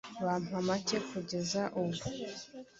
bampa make kugeza n’ubu